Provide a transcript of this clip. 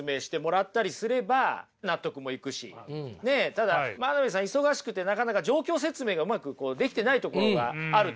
ただ真鍋さん忙しくてなかなか状況説明がうまくできてないところがあるっていうことですね。